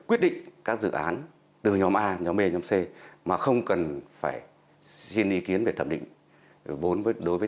quyết định các dự án từ nhóm a nhóm b nhóm c mà không cần phải xin ý kiến về thẩm định vốn đối với